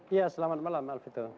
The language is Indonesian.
iya selamat malam alvito